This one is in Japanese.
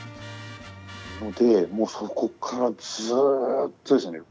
のでもうそこからずっとですね。